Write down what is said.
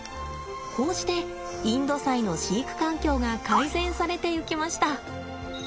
こうしてインドサイの飼育環境が改善されていきました。